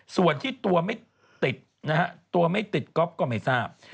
ส่วนที่ตัวไม่ติดนะฮะตัวไม่ติดก๊อฟก็ไม่ทราบ